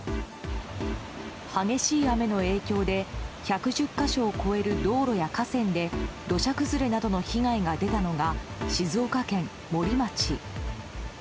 激しい雨の影響で１１０か所を超える道路や河川で土砂崩れなどの被害が出たのが静岡県森町。